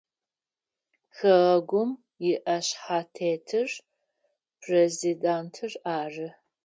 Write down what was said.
Хэгъэгум иӏэшъхьэтетыр президентыр ары.